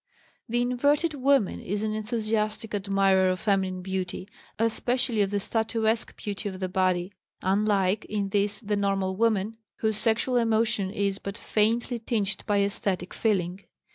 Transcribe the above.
The inverted woman is an enthusiastic admirer of feminine beauty, especially of the statuesque beauty of the body, unlike, in this, the normal woman, whose sexual emotion is but faintly tinged by esthetic feeling.